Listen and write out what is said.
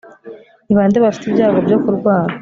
ni ba nde bafite ibyago byo kurwara